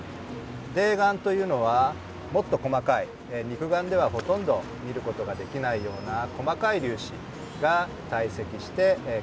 泥岩というのはもっと細かい肉眼ではほとんど見ることができないような細かい粒子が堆積して固まった石になります。